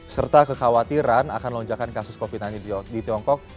serta kekhawatiran akan lonjakan kasus covid sembilan belas di tiongkok